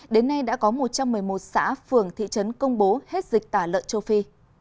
đến nay đã có một trăm một mươi một xã phường thị trấn công bố hết dịch tả lợn châu phi